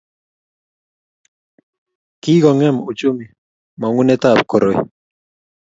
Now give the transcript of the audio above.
Kikongem uchumi mongunetab koroi